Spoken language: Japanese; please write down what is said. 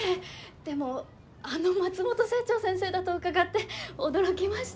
でもあの松本清張先生だと伺って驚きました。